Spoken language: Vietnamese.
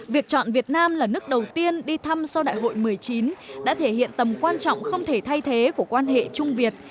việc chọn việt nam là nước đầu tiên đi thăm sau đại hội một mươi chín đã thể hiện tầm quan trọng không thể thay thế của quan hệ trung việt